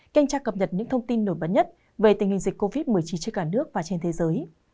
kênh tra cập nhật những thông tin nổi bật nhất về tình hình dịch covid một mươi chín trên cả nước và trên thế giới